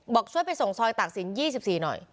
บอกช่วยไปส่งซอยตากศิลป๒๔หน่อย